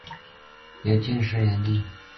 由进士擢第。